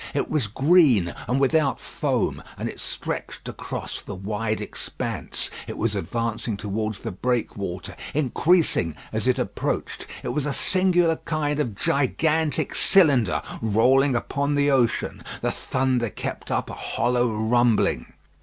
It was green and without foam, and it stretched across the wide expanse. It was advancing towards the breakwater, increasing as it approached. It was a singular kind of gigantic cylinder, rolling upon the ocean. The thunder kept up a hollow rumbling.